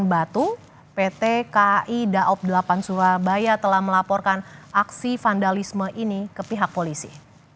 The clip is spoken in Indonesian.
batu pt kai daob delapan surabaya telah melaporkan aksi vandalisme ini ke pihak polisi